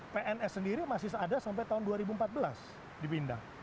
pns sendiri masih ada sampai tahun dua ribu empat belas dipindah